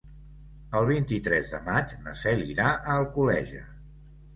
El vint-i-tres de maig na Cel irà a Alcoleja.